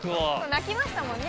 泣きましたもんね